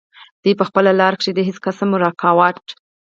دوي پۀ خپله لاره کښې د هيڅ قسم رکاوټ